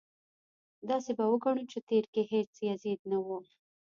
داسې به وګڼو چې په تېر کې هېڅ یزید نه و.